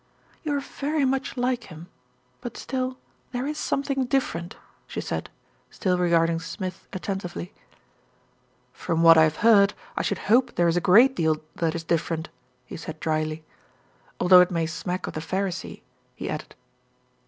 "You are very much like him; but still there is some thing different," she said, still regarding Smith at tentively. "From what I have heard, I should hope there is a great deal that is different," he said drily, "although it may smack of the pharisee," he added.